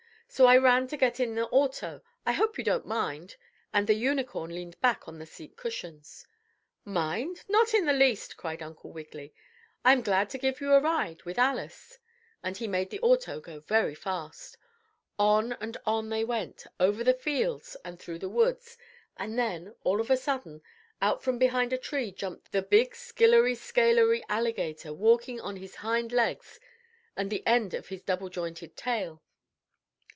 So I ran to get in the auto. I hope you don't mind," and the Unicorn leaned back on the seat cushions. "Mind? Not in the least!" cried Uncle Wiggily. "I'm glad to give you a ride with Alice," and he made the auto go very fast. On and on they went, over the fields and through the woods and then, all of a sudden, out from behind a tree jumped the big skillery scalery alligator walking on his hind legs and the end of his double jointed tail.